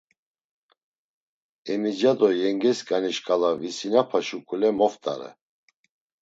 Emica do yengesǩani şǩala visinapa şuǩule moft̆are.